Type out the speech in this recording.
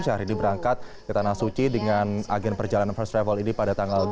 syahrini berangkat ke tanah suci dengan agen perjalanan first travel ini pada tanggal dua puluh